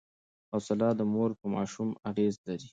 حوصله د مور په ماشوم اغېز لري.